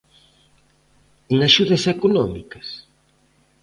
¿En axudas económicas?